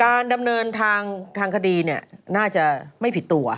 การดำเนินทางคดีน่าจะไม่ผิดตัว